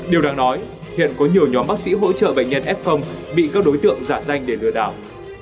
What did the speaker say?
điều đáng nói hiện có nhiều nhóm bác sĩ hỗ trợ bệnh nhân f bị các đối tượng giả danh để lừa đảo